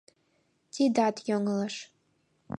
Тидат йоҥылыш.